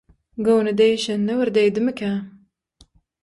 Göwne degişenine bir degdimikä?